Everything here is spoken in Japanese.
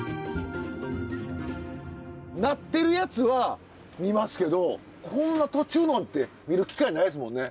なってるやつは見ますけどこんな途中のって見る機会ないですもんね。